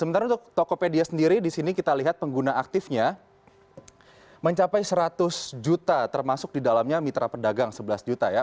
sementara untuk tokopedia sendiri di sini kita lihat pengguna aktifnya mencapai seratus juta termasuk di dalamnya mitra pedagang sebelas juta ya